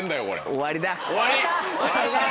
終わりだ。